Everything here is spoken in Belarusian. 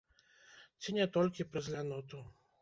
Ці не толькі праз ляноту.